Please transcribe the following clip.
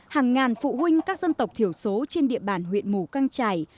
hàng ngàn phụ huynh các dân tộc thiểu số trên địa bàn huyện mù căng trải